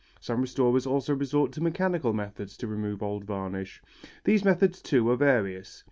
Some restorers also resort to mechanical methods to remove old varnish. These methods, too, are various.